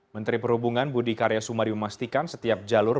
menteri perhubungan budi karya sumadi memastikan setiap jalur